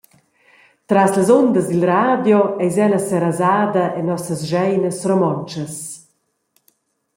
Tras las undas dil radio eis ella serasada en nossas scheinas romontschas.